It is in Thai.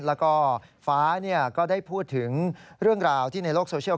แล้วก็ฟ้าก็ได้พูดถึงเรื่องราวที่ในโลกโซเชียล